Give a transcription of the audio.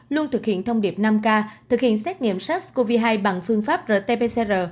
luôn thực hiện thông điệp năm k thực hiện xét nghiệm sars cov hai bằng phương pháp rt pcr